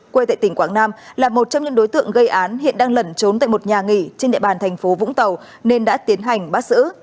quê tại tỉnh quảng nam là một trong những đối tượng gây án hiện đang lẩn trốn tại một nhà nghỉ trên địa bàn thành phố vũng tàu nên đã tiến hành bắt giữ